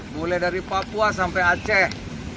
mulai dari papua sampai aceh